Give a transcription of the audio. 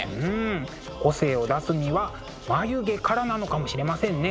個性を出すには眉毛からなのかもしれませんね。